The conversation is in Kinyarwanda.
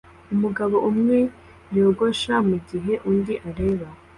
Umugabo umwe yogosha mugihe undi areba